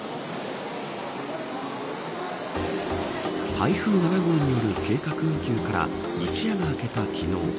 台風７号による計画運休から一夜が明けた昨日。